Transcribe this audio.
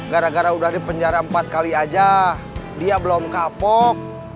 gara gara udah dipenjara empat kali aja dia belum kapok